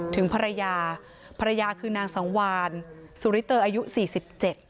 ถึงภรรยาภรรยาคือนางสังวานสุริเตอร์อายุสี่สิบเจ็ด